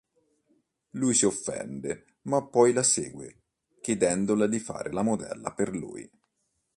Lui si offende ma poi la segue, chiedendole di fare la modella per lui.